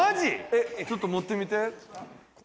えちょっと持ってみて。